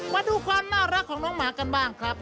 มาดูความน่ารักของน้องหมากันบ้างครับ